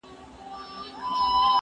زه هره ورځ بوټونه پاکوم،